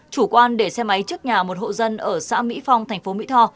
chủ quan để xe máy trước nhà một hộ dân ở xã mỹ phong thành phố mỹ tho